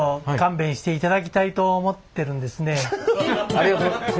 ありがとうございます。